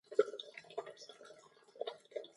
پنېر په پخلي کې هم استعمالېږي.